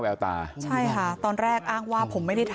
แล้วรู้ไหมว่าน้องเขาเสียชีวิต